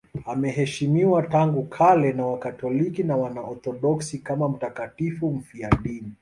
Anaheshimiwa tangu kale na Wakatoliki na Waorthodoksi kama mtakatifu mfiadini.